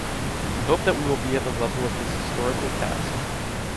We hope that we will be at the level of this historical task.